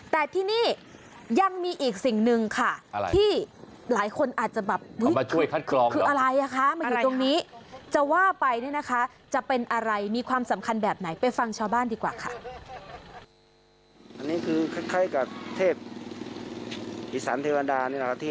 แต่ที่นี่ยังมีอีกสิ่งหนึ่งค่ะที่หลายคนอาจจะแบบมาช่วยคัดกรองคืออะไรอ่ะคะมาอยู่ตรงนี้จะว่าไปเนี่ยนะคะจะเป็นอะไรมีความสำคัญแบบไหนไปฟังชาวบ้านดีกว่าค่ะ